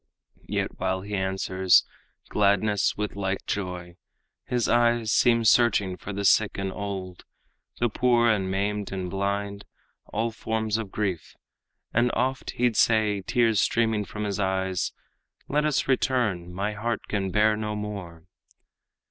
Yet while he answers gladness with like joy, His eyes seem searching for the sick and old, The poor, and maimed, and blind all forms of grief, And oft he'd say, tears streaming from his eyes, 'Let us return; my heart can bear no more.'